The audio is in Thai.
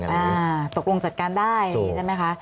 อ่าตกลงสำหรับจัดการได้ใช่ไหมคะ